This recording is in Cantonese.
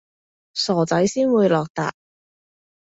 傻仔先會落疊